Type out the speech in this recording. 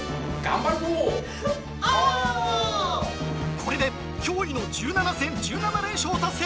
これで驚異の１７戦１７連勝を達成。